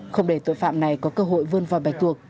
không để tội phạm này có cơ hội vươn vào bạch tuộc